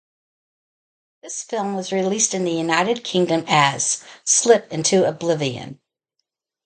This film was released in the United Kingdom as "Slip Into Oblivion".